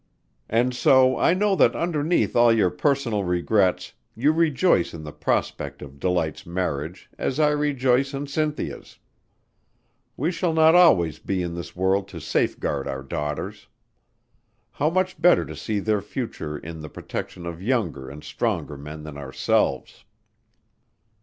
And so I know that underneath all your personal regrets you rejoice in the prospect of Delight's marriage as I rejoice in Cynthia's. We shall not always be in this world to safeguard our daughters. How much better to see their future in the protection of younger and stronger men than ourselves!"